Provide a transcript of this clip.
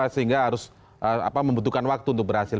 sehingga harus membutuhkan waktu untuk berhasil